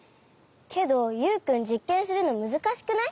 けどユウくんじっけんするのむずかしくない？